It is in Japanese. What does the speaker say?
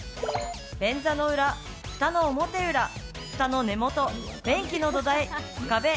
便座の裏、ふたの表裏、ふたの根元、便器の土台、壁！